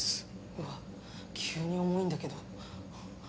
うわ急に重いんだけど。